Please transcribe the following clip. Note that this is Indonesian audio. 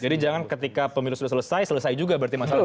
jadi jangan ketika pemilu sudah selesai selesai juga berarti masalah